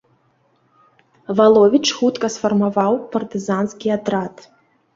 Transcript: Валовіч хутка сфармаваў партызанскі атрад.